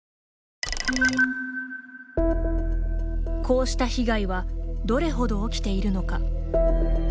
こうした被害はどれほど起きているのか。